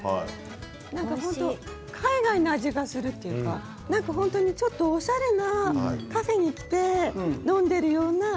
なんか海外の味がするというか、ちょっとおしゃれなカフェに来て飲んでいるような。